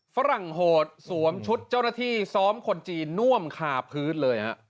ฝรั่งโหดสวมชุดเจ้าหน้าที่ซ้อมคนจีนน่วมคาพื้นเลยฮะ